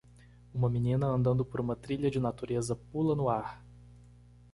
Uma menina andando por uma trilha de natureza pula no ar.